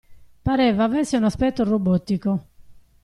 Pareva avesse un aspetto robotico.